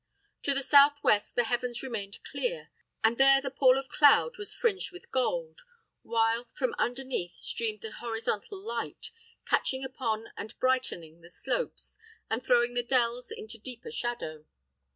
To the southwest the heavens remained clear, and there the pall of cloud was fringed with gold, while from underneath streamed the horizontal light, catching upon and brightening the slopes, and throwing the dells into deeper shadow.